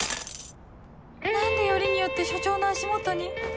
何でよりによって署長の足元に